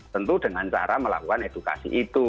tentu dengan cara melakukan edukasi itu